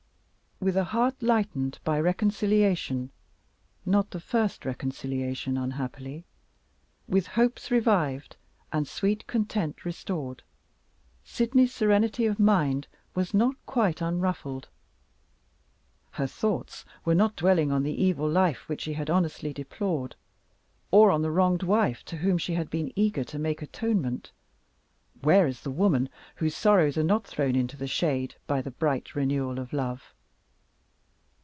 With a heart lightened by reconciliation (not the first reconciliation unhappily), with hopes revived, and sweet content restored, Sydney's serenity of mind was not quite unruffled. Her thoughts were not dwelling on the evil life which she had honestly deplored, or on the wronged wife to whom she had been eager to make atonement. Where is the woman whose sorrows are not thrown into the shade by the bright renewal of love?